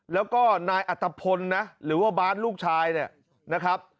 แล้วก็นายอัตภพลหรือว่าบ้านลูกชายนะครับ